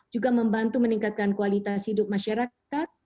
juga membantu meningkatkan kualitas hidup masyarakat